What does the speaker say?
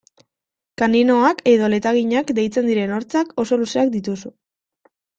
Kaninoak edo letaginak deitzen diren hortzak oso luzeak dituzu.